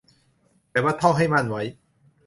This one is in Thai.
แบบว่าท่องให้มั่นไว้